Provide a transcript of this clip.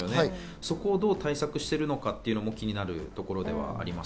そこをどう対策しているのか気になるところではあります。